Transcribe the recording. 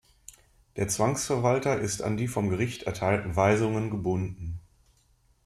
Der Zwangsverwalter ist an die vom Gericht erteilten Weisungen gebunden.